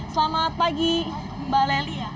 selamat pagi mbak lely ya